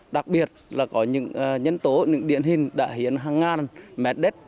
đặc biệt là có những nhân tố những điển hình đã hiến hàng ngàn mét đất